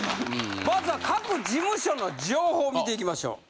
まずは各事務所の情報見ていきましょう。